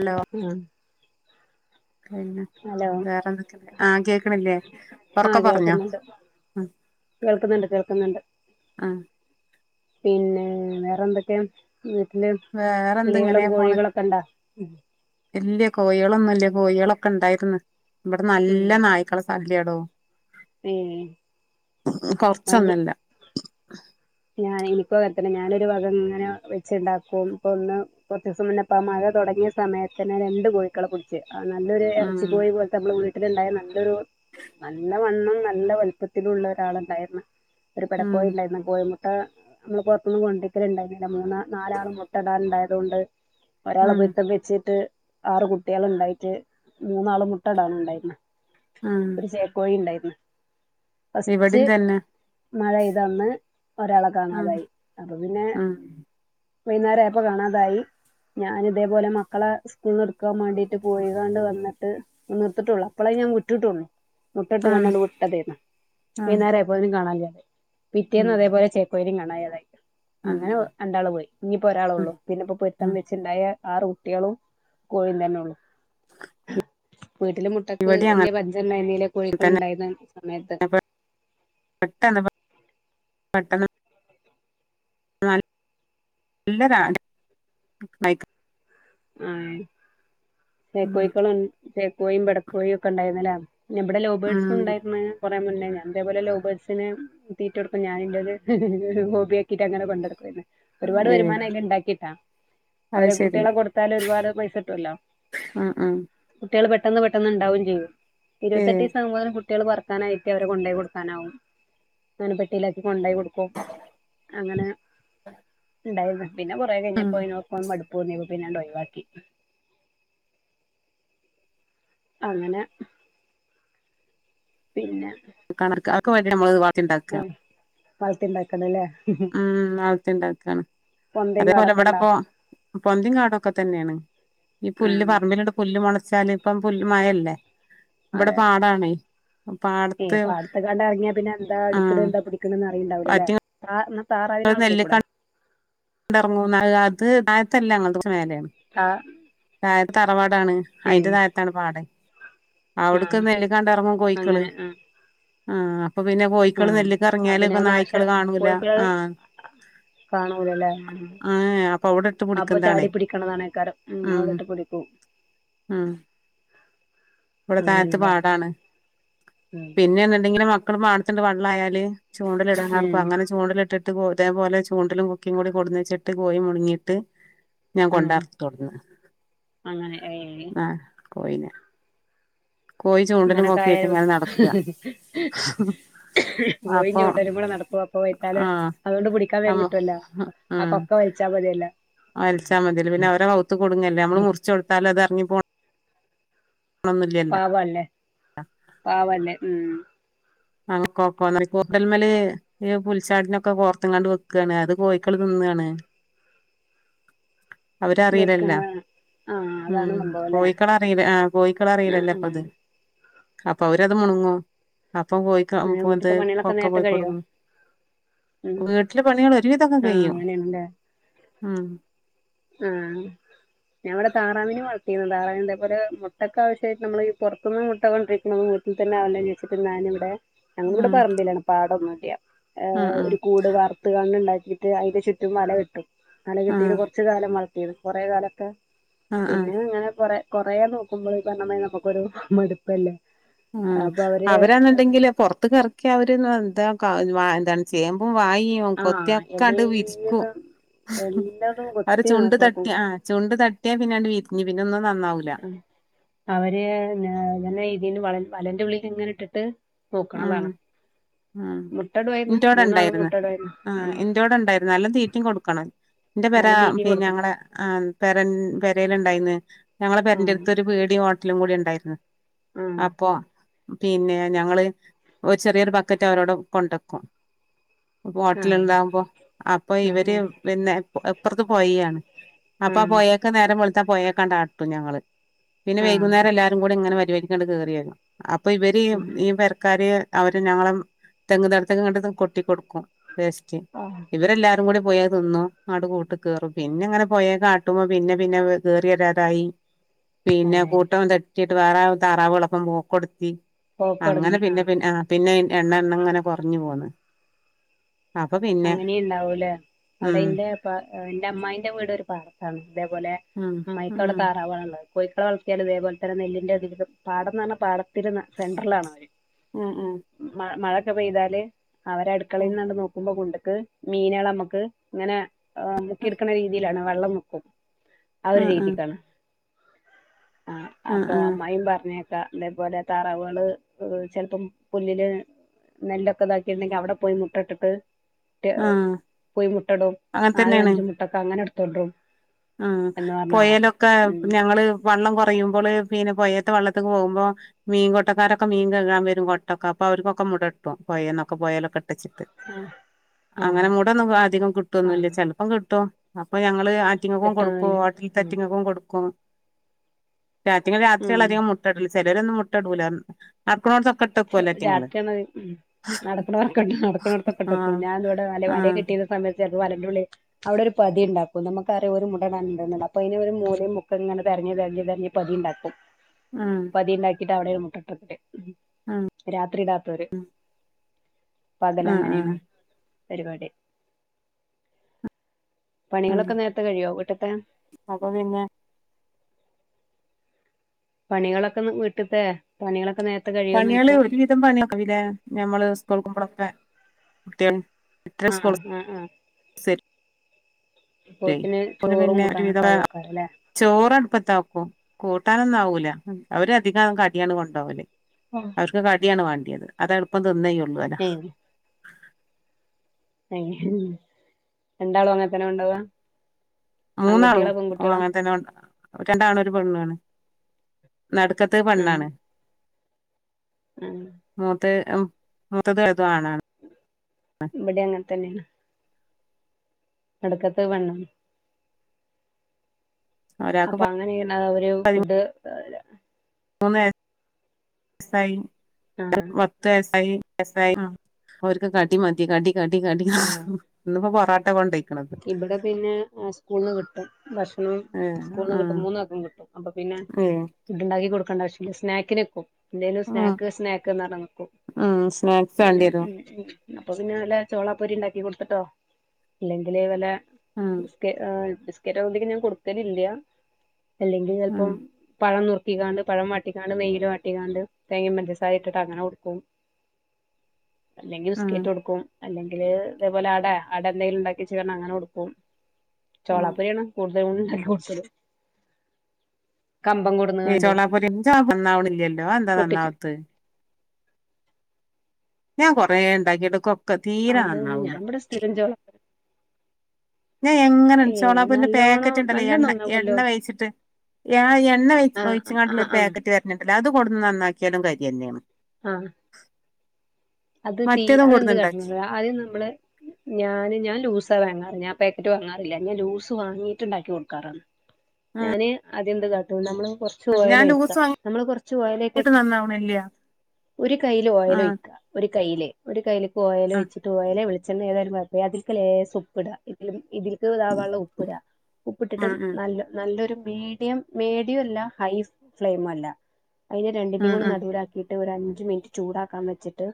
Hello ആമ് പിന്നെ വേറെന്തൊക്കെയുള്ളെ ആഹ് കേക്കണില്ലേ ഒറക്കെ ആഹ് പറഞ്ഞോ കേൾക്കുന്നുണ്ട് ആഹ് കേൾക്കുന്നുണ്ട് കേൾക്കുന്നുണ്ട് ആഹ് പിന്നെ വേറെ എന്തൊക്കെയാ വീട്ടില് വേറെന്ത് കിളികളും ഇങ്ങനെ പോണ് കോഴികളൊക്കെ ഇണ്ടാ ഉം ഇല്ല്യ കോഴികളൊന്നുംല്ല കോഴികളൊക്കെ ഇണ്ടായിരിന്ന് ഇവിടെ ഉം നല്ല നായ്ക്കള സ ല്ലെടോ ഏഹ് മല്ലി കൊറച്ചൊന്നല്ല ഞാൻ [unintelligible] ഞാനൊരു വക ഇങ്ങനെ വെച്ചുണ്ടാക്കും ഇപ്പോൾ ഒന്ന് കുറച്ചുസം മുന്നെപ്പം മഴ തുടങ്ങിയ സമയത്തന്നെ രണ്ട് കോഴിക്കളെ പിടിച്ച്. ആ നല്ലൊരു ഇറച്ചി ഉം കോയി പോലോത്തെ നമ്മള് വീ ട്ടിണ്ടായ നല്ലൊരു നല്ല വണ്ണം നല്ല വലുപ്പത്തിലുള്ള ഒരാളുണ്ടാരുന്നു ഒരു പെട ഉം കോയിണ്ടാരുന്ന് കോഴി മു ട്ട നമ്മള് പൊർത്തുന്നു കൊണ്ടിക്കല്ണ്ടായിന്യല്ല മൂന്നാനാലാളും മുട്ടടാൻ ഇണ്ടായതോണ്ട് ഒരാളെ ഉം പൊര്ത്തവെച്ചിട്ട് ആറ് കുട്ട്യേള്ണ്ടായിട്ട് മൂന്നാള് മുട്ടടാൻ ഉണ്ടാര്ന്ന് ഉം ഒരു ചേക്കോഴി ഇണ്ടായ് ഫസ്റ്റ് ഇവിടിം തന്നെ മഴെയ്തന്ന് ഒരാളെ ഉം കാണാതായി അപ്പൊ പിന്നെ ഉം വൈന്നേരായപ്പം കാണാതായി ഞാനിതേപോലെ മക്കളെ സ്കൂൾന്ന്ട്ക്കാൻ മാണ്ടിട്ട് പോയികാണ്ട് വന്നിട്ട് ന്ന്ർത്ട്ടുള്ളു അപ്പളേ ഞാൻ വിട്ടിട്ടൊള്ളു ഉം മുട്ടട്ട്കാണ്ട് ആണ്ട് വ്ട്ടതേന്ന് ഉം വൈന്നാരയപ്പോതിന് കാണാനില്ല ഉം പിറ്റേന്നതേ കോഴിനിം കാണയതായി ഉം അങ്ങനെ രണ്ടാള് പോയി ഇനിപ്പം ഉം ഒരാളൊള്ളൂ പിന്നെപ്പം പൊര്ത്തം ഉം വെച്ച് ണ്ടായ ആറ് കുട്ട്യേളും കോയിം തന്നൊള്ളു വീട്ടില് മുട്ടക്ക് ഇവിടിം വല്യ അങ്ങനെ പഞ്ചണ്ടായ്നില്ല കോഴികള് തന്നെ ഉണ്ടായിര്ന്ന് സമയത്ത് പെട്ടന്ന് [unintelligible] നല്ലതാ [unintelligible] [unintelligible] ഉം ചേക്കോയ്ക്കളും ചേക്കോയിം പെടക്കോയൊക്കെ ണ്ടായിരുന്നു ല്ലേ നബടെ ലൗബേഡ്സു ഉം ണ്ടായിര്ന്ന് ഞാപർഞ്ഞിലെ ഞാനിതേപോലെ ലൗ ബേട്സിന് തീറ്റൊട്ക്കും ഞാനിൻ്റെത് ഒരു ഹോബ്യാക്കിട്ട് അങ്ങനെ കൊണ്ടട്ക്കു അയ്നെ. ഒരുപാട് ഏ വരുമാനം അയ്ല്ണ്ടാക്കിട്ടാ അത് അവരെ ശരി കുട്ട്യാളെ കൊട് ഒരുപാട് പൈസ ട്ടൊവല്ലോ ഉം ഉം കുട്ട്യോള് പെട്ടെന്ന് പെട്ടെന്ന്ണ്ടാവും ചെയ്യും ഏ ഇരുവത്തട്ടീസങ്ങനെ കു കുട്ട്യാള് പെർക്കാനായിട്ട് അവരെ കൊണ്ടെയി കൊട്ക്കാനാവും അങ്ങനെ പെട്ടിലാക്കി ഉണ്ടായി കൊടുക്കും അങ്ങനെ [unintelligible] [unintelligible] ഇല്ലായിരുന്നു പിന്നെ കൊറേ ഉം കിഞ്ഞപ്പ ആയിനോപ്പം മട് പൂർണ്ണിവ പിന്നെണ്ടവ്വോ വാട്ടി അങ്ങനെ പിന്നെ കൊക്ക ഞമ്മള്ത് വാ ച്ചിണ്ടാക്ക വളർത്തി ഉണ്ടാക്ക്ണെല്ലേ ഉം നാളത്തെ ഉണ്ടാക്കാണ് പൊന്തയും അതേപോലെ കാടൊക്കെ ഇണ്ടാ ഇവിടെപ്പൊ പൊന്തയിം കാടുക്കെ തന്നെയാണ് ഈ പുല്ല് ആഹ് പറമ്പിലിട് പുല്ല് മൊളച്ചാല് പ്പം പുല്ല് മഴല്ലേ വ്ടെ പാടാണേ ഏഹ് പാടത്ത് പാടത്ത്ക്കാണ്ട് എറങ്ങിയ പിന്നെ എന്താ എടുക്ണ്‌ ആഹ് എന്താ പിടിക്ക്‌ണ്ന്ന് അറി ഉണ്ടാവൂലെ ആറ്റിങ്ങ കാരണം താറാവിനെ വളർത്തിക്കൂടെ ണ്ടെറങ്ങുന് അത് തായത്തല്ല ങ്ങൾത് മേലേണ് താ തായെ തറവാ ടാണ് ഏ അയിന്റെ താഴത്താണ് പാടെ അവ്ട്ക്ക ആഹ് നെല്ല്കാണ്ട് എറങ്ങും കോഴിക്കള് അങ്ങനെ ആഹ് ആഹ് ഇപ്പൊ പിന്നെ കോയിക്കള് ആഹ് നെല്ല് അ ക്കെറങ്ങിയാല് പിന്നെ ഇപ്പം അത് നാശ നായ്ക്കള് കാണൂല കോഴിക്കള് ആഹ് കാണൂലല്ലേ ഉം ആഹ് ഏഹ് അപ്പൊ അവിടെ ഇട്ട് പിടിക്കുന്നതാണ് ഉ അവിടെട്ട് പിടിക്കും ഇവിടെ താഴത്ത് അങ്ങനെയാണല്ലേ പാടാണ് ഉം പിന്നെന്ന് ണ്ടെങ്കില് മക് വ്ടെ മാനത്ത്ണ്ട് വെള്ളം ആയാല് ചൂണ്ടലിടാർപ്പ അങ്ങനെ ചൂണ്ടലിട്ട് ത് പോൽ തേപോലെ ചൂണ്ടലും കൊക്കയും കൂടി കൊടുന്ന് വച്ചിട്ട് കോയി മുണ്ങ്ങിട്ട് ഞാൻ ഉം കൊണ്ടർ ആഹ് തൊർന്ന് അങ്ങനെ ഏ ആഹ് കോയിനെ കോയി ചൂണ്ടലും ഇങ്ങനൊക്കെ കൊക്കിയായിട്ട് ആയാലും ഇങ്ങനെ നടക്ക കോയി അപ്പൊ ചൂണ്ടലും കൂടെ നടപ്പു അപ്പോ വയ് ത്താലെ ആഹ് അതുകൊണ്ട് പിടിക്കാൻ വേ നമ്മ കുട്ടുല്ലോ ആ ഉം കൊക്ക വലിച്ചാ മതില്ലോ വലിച്ചാ മതില്ലോ പിന്നെ അവരെ കൗത്ത് കുടുങ്ങല്ലേ മ്മള് മുറിച്ച് കൊടുത്താലും അത് എറങ്ങി പോണ് പാവല്ലേ പാവല്ലേ ഉം അക്ക [unintelligible] കൂട്ടതൽമല്ഈ പുൽച്ചാടിനൊക്കെ കോർത്തങ്ങാണ്ട് വെക്കാണ് അത് പോയിക്കുള്ളതൊന്നാണ് അവരറിയിലല്ല വെക്കണ ആഹ് ഉം അതാണ് സംഭവം ല്ലേ കോഴിക്കള അറിയില്ല ആ കോഴിക്കള അറിയിലല്ലേ ആഹ് ഇപ്പ അത് ആഹ് അപ്പൊ അവരത് മുണുങ്ങോ ഇപ്പം പോയിക്ക പോത് വീട്ടിത്തെ പണികളൊക്കെ കൊക്ക നേരത്തെ കഴിയോ പോയിക്കൊടുക്കും ഉം വീട്ടിലെ പണികൾ ഒരുവിധൊക്കെ ആഹ് കഴും അങ്ങനെയാണല്ലേ ഹം ആഹ് കട്ടുന്നത്ാധാ ഇതേപോലെ മുട്ടൊക്ക ആശ്യമായിട്ട നമ്മൾ ഈ പുറത്തനിന്ന് മുട്ട കൊണ്ടരിക്കണന്ന വട്ടിൽന്ന ആാവില്ലോെന്ന് ചോച്ചിട്ട് ഞാനിവിടെ ഞങ്ങൾ ഇവിടെ ഉം പറമ്പലാണ് പാടൊന്ന യാ ഉം ഹ് ഉം ഒരു കൂട് വാർത്ത കണ് ഉണ്ടാക്കി എന്നിട്ട് അതി ചുറ്റും വല കെട്ടും വല ഉം കെട്ടി കുറച്ചു കാലം വളർത്തിയത് കുറെേ കാലൊക്കെ ഉം ഉം പിന്നെ അങ്ങനെ പോറ കൊറേ നോക്കുമ്പോൾ ഈ പറണ നമുക്കൊ ഒരു മടുപ്പല്ലേ ഉ അപ്പൊ അവര് അവരാന്നുണ്ടെങ്കില് പുറത്തു ഒക്കെഇറക്കിയാൽ അവര് എന്താ എന്താണ് ചെയ്യ വായും ആഹ് കൊത്തിയൊക്കൊണ്ട് വിരിക്കും എല്ലേതും എല്ലതും അവര് കൊത്തി ചുണ്ട് നാസാക്കും തട്ടിയ ആ ചുണ്ട തട്ടിയാ പിന്നെ വി നീ പിന്ന ഒന്നും നന്നാവൂല ആ അവര് എന്നെ ഇ വ വലന്റെള്ളളി എങ്ങെ ഇട്ടിട്ട് ആ നോക്കണതാണ് ആ മുട്ടടുവായിരുന്നു ഇന്റോടെ മൂന്നാളും ഉണ്ടായിരുന്നു മുട്ടടുവായിരുന്നു ഉം നല്ലാം തീറ്റയും കൊടുക്കണം എന്റെ പേര എന്നാലും തീറ്റയും കൊടുക്കണം ഞങ്ങളെ പേര നഉണ്ടായിരുന്നു ആഹ് ഞങ്ങള്ടെപെടുത്ത് ഒരു പീടിയും, ഹോട്ടലും കൂടിണ്ടണ്ട് ഉണ്ടായിരുന്നു ആഹ് അപ്പൊ പിന്നെ ഞങ്ങള് ഒരു ചെറിയൊരു ബക്കറ്റ് അവരോട് കൊണ്ടെക്കും ഹോട്ടല ഉണ്ടാാവുമ്പോ അപ്പൊ ഇവര് ആഹ് പിന്നെ അപ്പുറത്ത് പോയിയാണ് അപ്പൊ ആഹ് പോയക്കെ നേരം വെ ത്ത പോയേക്കണ്ടാട്ടും ഞങ്ങള് പിന്നെ ആഹ് ആഹ് വൈകുന്നേരം എല്ലാരും കൂടി ങ്ങനെ പിന്നെണ്ട് കെറിരും അപ്പൊ ഇവര് മീ ര് അവര് ഞങ്ങളും തെങ്ങ് തടത്ക്ക് കൊട്ടി കൊടുക്കും വെസ്റ്റ് ആഹ് ആഹ് ഇവരെല്ലാരും കൂടി പോയ തിന്നു ആണ്ട് കൂട്ട് കേറും പിന്നെ അങ്ങനെ പോയേ കാട്ടുമ്പോ പിന്നെ പിന്നെ കെറിവരാതായി പിന്നെ ഏഹ് കൂട്ടം തെ ചിട്ട് വേറെ താറാവാളപ്പം പോക്കൊടുത്തി അങ്ങനെ പൊകോടങ്ങി പിന്നെ പിന്നെ ആ പിന്നെ എണ്ണ എണ്ണ ഇങ്ങനെ കൊറഞ് പോന്ന് അപ്പൊ പിന്നെ അങ്ങനെയ് ഇണ്ടാവൂല്ലേ അവിടെ ഉം ഇന്റെ എന്റെ അമ്മായിന്റെ വീട് ഒരു പാടത്താണ് അതേപോലെ ഉം അമ്മായിക്ക് അവിടെ ഉം താറാവാള്ണ്ട് കോഴിക്കളെ വളർത്തിയാല് ഇതേപോലെ തന്നെ നെല്ലിന്റെ എടീലും പാടംന്ന് പടത്തിന്റെ സെന്റർലാണ് അവര് അ ആ മ മഴൊക്കെ പെയ്താല് അവര് അടുക്കളയിന്ന് പൊ കുണ്ട്ക്ക് മീനാളെ നമ്മക്ക് ഇങ്ങനെ ആ മുക്കിട്ക്ണ രീതിയിലാണ് വെള്ളം മൊക്കും ആ ഒരു ഉം രീതിക്കാണ് ആ ഉം ഉം അപ്പൊ ഉം അമ്മായും പർഞ് അതേപോലെ താറാവ്കള് ചെലപ്പം പുല്ലില് നെല്ലൊക്കെ ഇതാക്കിട്ട് ണ്ടെങ്കില് അവിടെ പോയി മുട്ട ഇട്ടിട്ട് ട്ട് ആ പോയി മുട്ടടും അങ്ങനെ നാലും അഞ്ചും മുട്ടൊക്കെ അങ്ങനെ [unintelligible] അ എന്ന് പറഞ്ഞ കാണാം പോയലൊക്കെ ഉം ഞങ്ങള് വള്ളം കയുമ്പള് പിന്നെ പോയേത്തെ വള്ളത്ക്ക് പോകുമ്പോ മീൻ കൊട്ടക്കാരൊക്കെ മീൻ കഴുകാൻ വരും കൊട്ടക്കെ അവർക്കൊക്കെ മുടട്ടും പോയേന്നൊക്കെ പോയലൊക്കെ ഇട്ട് ആ അങ്ങനെ മൂട ആ ഒന്നും അധികം ആ കിട്ടുന്നുംല്ല ചെലപ്പം കിട്ടും അപ്പൊ ഞങ്ങള് റ്റങ്ങക്കും കൊടുക്കും കിട്ടുന്നില്ല ഓട്ടല് ഉം റ്റങ്ങക്കും കൊടുക്കും അയ്റ്റങ്ങള് രാത്രിയാണ് ഉം അധികം മുട്ടടല് ചരരൊന്നും മുട്ട ഇടൂല രാത്രിയണ നടക്കുന്നർക്കെട്ടോ നടക്കണോടത്തൊക്കെട്ടോ പോ ആഹ് ഞാൻ ഇവിടെ നല്ല വല ആഹ് കിട്ടിയുന്ന സമയത്ത്ല്ല അത് വലുള്ളി അവിടെ ഒരു പതി ഉണ്ടാക്കും നമുക്കറിയ ഒരു മുടണ്ട അപ്പൊ അതിന ഒരു മൂലയും മുക്ക ഇങ്ങനെ െരഞ്ഞഞ് തതിരഞ്ഞ് തെഞ്ഞഞ് പതി ഉണ്ടാക്കും ആഹ് ഇത അവിടെ ഒരു മുട്ടത്തില് ആഹ് രാത്രി ഇടാത്തര് പകല ആഹ് എങ്ങനെയാണ് ആഹ് പരിപാടി ആഹ് പണികളൊക്കെ നേരത്തെ കഴിയോ കീട്ടത്തെ അപ്പൊ പിന്നെ പണികളൊക്കെന്ന് വീട്ടിട്ടേ പണികളൊ പണിയാള് ഒരു വിധം പണിയക്കല്ലേ നഞമ്മള് സ്കൂൾ കുമ്പളപ്പ ട്ട ആ ആ ആ പിന്നെ ഒരുധ കൂട്ടാനൊക്കെ ആവോക്കാരല്ലേ ചോറട്പ്പ ണ്ടാക്കും കൂട്ടാനൊന്നും ആവൂല അവര അധികം കടിയാണ് കൊണ്ടപകലേ അവർക്ക് കടിയാണ് വാണ്ട അത എളപ്പം തിന്നയ്യ വട ഏഹ് അ എന്താളും അങ്ങനത്തന്നെ ഉണ്ടവാ മൂന്നാളും ഓ അങ്ങനെ തന്നെണ്ട രണ്ടാണും ഒരു പെണ്ണാണ് നടുക്കത്ത ആഹ് പണ്ണാണ് ആഹ് മത്തേ ഉം മുത്തത് ല്തു ആണാ ബടിയങ്ങത്തനെയാണ് എടുക്കത്ത വണണം ഒരാൾക്ക് അപ്പൊ അങ്ങനെയണ അവര് ഫുഡ് സയി ആഹ് പത്ത് വസായി സായി അവർക്ക് കാടി മതി കടി കടി കടി ആഹ് ഇന്ന് ഇപ്പോ പൊറട്ട ഇവിടെ പിന്നെ സ്കൂള്ന്ന് കിട്ടും ഭക്ഷണം ഏഹ് സ്കൂളന്ന് ആഹ് കിട്ടും മൂന്നക്കം കിട്ടും അപ്പൊ പിന്നെ ഏഹ് ഫുഡ്ണ്ടാക്കി കൊടുക്ക ണ്ട ആവശ്യമില്ല സ്നാക്കിനൊക്കും എന്തേലും ഉം സ്നാക്ക് സ്നാക്ക് എന്ന് പറഞ്ഞ് നടക്കും ഉം സ്നാക്സ് വേണ്ടി വരും അതിന്‌ അപ്പൊ പിന്നെ നല്ല ചോളാപ്പൊരി ഉണ്ടാക്കി കൊടുത്തിട്ടോ ഇല്ലെങ്കിൽ അത് പോലെ ഉം ബിസ്ക ആ ബിസ്ക ബിസ്കറ്റ് ആവുമ്പൊത്തേക്ക് ഞാൻ കൊടുക്കലില്ല അല്ലെങ്കിൽ ചെലപ്പോ ഉം പഴം നുറു വാട്ടിക്കാണ്ട് പഴം വാട്ടിക്കാണ്ട് നെയ്യിൽ വാട്ടിക്കാണ്ട് തേങ്ങയ്യും പഞ്ചസാരയും ഇട്ടിട്ട് അങ്ങനെ കൊടുക്കും അല്ലെങ്കിൽ ഉം ബിസ്ക്കറ്റ് കൊടുക്കും അല്ലെങ്കിൽ അതേപോലെ അട അടന്റെ എന്തെങ്കിലും ഉണ്ടാ ക്കി വെച്ചക്കാണ് അങ്ങനെ കൊടുക്കും ഉം ചോളപൊരിയാണ് കൂടു [unintelligible] ചോളാപ്പൊരി നന്നാവണില്ലല്ലോ അത്‌ എന്താ പൊട്ടിച്ച് നന്നാവത്തത് ഞാൻ കൊറെ ഉണ്ടാക്കി എടുക്കും ഒക്കെ തീരെ അത് നന്നാവൂല ഞാൻ ഇവിടെ സ്ഥിരം ചോള ഞാൻ എങ്ങനെ ഏ പൊരിച്ചാലുംഅതിന്റെ നല്ലോണം പാക്കറ്റ് ഉണ്ടല്ലോ നല്ലോം എണ്ണ നന്നാവല്ലോ എണ്ണ തേച്ചിട്ട് ആ എണ്ണ ആഹ് ഒഴിച്ചങ്ങാണ്ടുള്ള ആഹ് ഒരു ആഹ് പാക്കറ്റ് വരുന്നുണ്ടല്ലോ അത്‌ കൊടുന്ന് നന്നാക്കിയാലും കാര്യം തന്നെയാണ് ആ അത് തീ മറ്റേതും അതെന്ത് കൊടുന്നുണ്ടാക്കി കാട്ടുന്നു അത് നമ്മള് ഞാന് ഞാൻ ലൂസാ വാങ്ങാറ് ഞാൻ പാക്കറ്റ് വാങ്ങാറില്ല ഞാൻ ലൂസ് വാങ്ങിട്ട് ഇണ്ടാക്കി കൊടുക്കാറാണ് ഞാന് അത് എന്ത്‌ കാട്ടും നമ്മള് കൊറച്ച് ഉം ഓയൽ ഞാൻ ലൂസ് ഒഴിക്കാം നമ്മള് കൊറച്ച് ഓയില് വാങ്ങിയിട്ട് നന്നാവണില്ല ഒരു കയ്ൽ ആ ഓയിൽ ഒഴിക്കുക കൈയില് ഒരു കൈയില് ഓയിൽ ആ ഒഴിച്ചിട്ട് ഓയിലൊ വെളി ച്ചെണ്ണയോ ഏതായും കൊഴപ്പമില്ല അതിൽക്ക് ലേശം ഉപ്പ് ഇടുക ഇതിലും ഇതിലും ഇ ഇതാവാനുള്ള ഉപ്പിടുക ഉപ്പിട്ടിട്ട് ഉം ഉം നല്ല നല്ലൊരു മീഡിയം മീഡിയം അല്ല ഹൈ ഫ്ലെയിമും അല്ല അതിന്റെ രണ്ടിന്റെയും ഉം കൂടെ ഉം നടുവിലാക്കിയിട്ട് ഒരു അഞ്ച് മിനിറ്റ് ചൂടാക്കാൻ വെച്ചി ട്ട്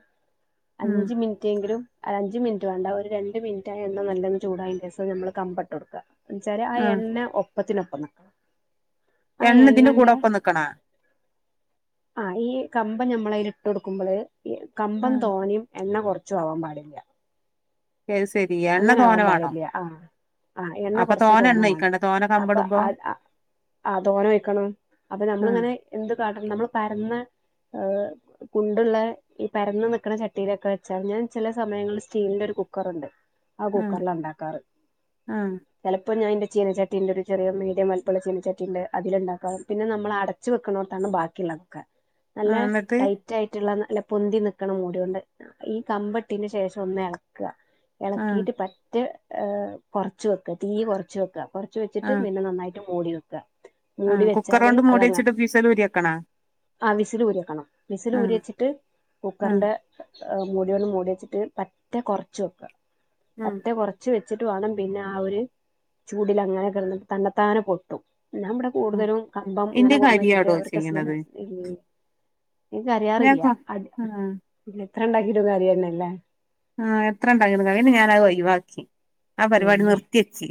ഉം അഞ്ച് മിനിറ്റെങ്കിലും അഞ്ച് മിനിറ്റ് വേണ്ട ഒരു രണ്ട് മിനിറ്റായ എണ്ണ നല്ലപോലെ ചൂടായ ശേഷം നമ്മൾ കമ്പട്ട് കൊടുക്കുക എണിച്ചാര് ആ എണ്ണ ഒപ്പ് ഒപ്പത്തിനൊപ്പം ന്ന് എണ്ണ ഇതിന്റെ കൂടെ ഒപ്പം നിക്കണ ആ ഈ കമ്പം ഞമ്മളതിൽ ഇട്ട് കൊടുക്കുമ്പോള് [unintelligible] കമ്പം ഉം തോനിയും എണ്ണ കുറ ച്ചോ ആവാൻ പാടില്ല. ശരി ശരി എണ്ണ അങ്ങനെ തോന ആവാൻ വേണോ പാടില്ല ആ ആ എണ്ണ അപ്പൊ കുറച്ച് തോന ദോന എണ്ണ വാണം ഒഴിക്കണ്ട തോന അപ്പൊ കമ്പടുമ്പോ ആ ദോന വെക്കണ് അപ്പൊ നമ്മൾ ഉം ഇങ്ങനെ എന്ത് കാട്ടണം നമ്മൾ പരന്ന ആ കുണ്ടുള്ള ഈ പരന്ന നിക്കണ ചട്ടിയിലൊക്കെ വെച്ചാൽ, ഞാൻ ചില സമയങ്ങളിൽ സ്റ്റീലിന്റെ ഒരു കുക്കറുണ്ട്. ആ ഉം കുക്കറില ഉണ്ടാക്കാറ് ഉം ചിലപ്പോ ഞാനെന്റെ ചീനച്ചട്ടിൻ്റെ ഒരു ചെറിയ മീഡിയം വലപ്പമുള്ള ചീനച്ചട്ടി ഉണ്ട് അതിലുണ്ടാക്കാവും പിന്നെ നമ്മൾ അടച്ചു വെക്കണോടത്താണ് ബാക്കിയുള്ളതൊക്ക. നല്ല ആ എന്നിട്ട് ടൈറ്റ് ആയിട്ടുള്ള അല്ല പൊന്തി നിക്കണം മൂടി കൊണ്ട് ഈ കമ്പട്ടിന് ശേഷം ഒന്ന് ഇളക്കുക. ആഹ് ഇളക്കിട്ട് പറ്റ ഹ കുറച്ച വെക്കുക, തീ കുറച്ച് വെക്കുക. കുറച്ച് വെച്ചിട്ട് ആഹ് പിന്നെ നന്നായിട്ട് മൂടി വെക്ക. മൂടി ആഹ് വെച്ചാല് കുക്കറോണ്ട് മൂടി അതങ്ങെ വെച്ചിട്ട് ഫീസലൂരി വെക്കണാ ആ വിസൽ ഊരിവെക്കണം വിസൽ ഊരി ആഹ് വച്ചിട്ട് ആഹ് കുക്കറിന്റെ ങഅ മൂടി കൊണ്ട് മൂടി വെച്ചിട്ട് പറ്റേ കുറച്ച് വെക്ക. അത്ര ആഹ് കുറച്ച് വ ച്ചിട്ട് വേണം പിന്നെ ആ ഒരു ചൂടൽ അങ്ങനെ കിടന്നിട്ട് തണ്ടത്താന പൊട്ടും. ഞാൻ ഇവിടെ കൂടുതലും കമ്പം ഇങ്ങനെ ഇന്റെ കൊണ്ട്ന്ന് വെച്ചിട്ട് കരിയാടോ അവിടത്തെ സ്മെല്ല് ചെയ്യണത് മ് [unintelligible] ഞാൻ യാറില്ല. കൊ ആഹ് ഇത്രണ്ടാക്കിട്ട് കാര്യ ഒന്നെല്ലേ? ആഹ എത്ര ഉണ്ടാക്കിട്ടു പിന്നെ ഞാനത് ഒഴിവാക്കി. ആ ഉം പരിപാടി നിർത്തിെച്ച്.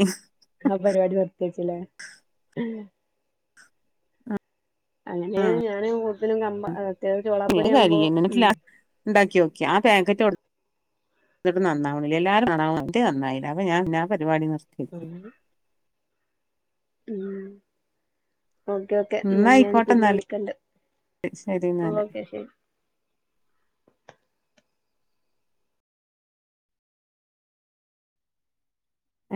ആ പരിപാടി നിർത്തയേച്ചില്ലേ? അങ്ങനെ ഞാന് ഉ തിലും കമ്പ ആ നീ കഴി [unintelligible] എന്നിട്ട് ലാസ്റ്റ് ഉണ്ടാക്കിയോ? ക്ക് ആപാക്കറ്റ് കൊടു ത്തിട്ട് നന്നാവണില്ല എല്ലാരും കാണാ കുണ ത്തിനന്നായില്ല അപ്പ ഞാൻ ആ പരിപാടി നിർ ഉം ഉ ഓക്കെ ഓക്കെ എന്നാ ഞാനീ ആയിക്കോട്ടെ പിന്നെ എന്നാല് വിളിക്കണ്ട് ശരി എന്നാല് ഓക്കെ ശരി. [unintelligible]